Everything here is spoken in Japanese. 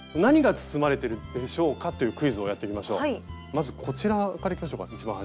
まずこちらからいきましょうか一番端。